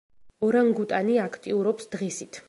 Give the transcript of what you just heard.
ორანგუტანი აქტიურობს დღისით.